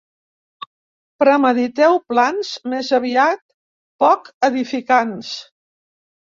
Premediteu plans més aviat poc edificants.